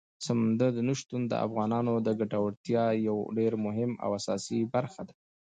سمندر نه شتون د افغانانو د ګټورتیا یوه ډېره مهمه او اساسي برخه ده.